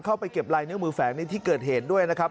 เข้าไปเก็บลายนิ้วมือแฝงในที่เกิดเหตุด้วยนะครับ